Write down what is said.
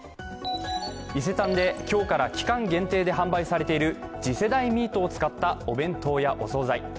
伊勢丹で、今日から期間限定で販売している次世代ミートを使ったお弁当やお総菜。